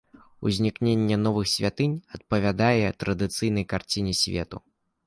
Узнікненне новых святынь адпавядае традыцыйнай карціне свету.